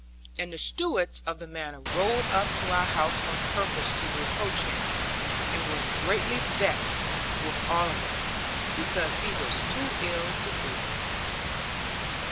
And the stewards of the manors rode up to our house on purpose to reproach him, and were greatly vexed with all of us, because he was too ill to see them.